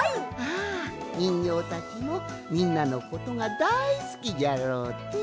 あにんぎょうたちもみんなのことがだいすきじゃろうて。